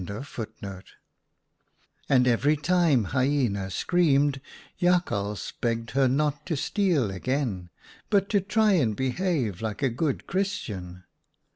x " And every time Hyena screamed, Jakhals begged her not to steal again, but to try and behave like a good Christian."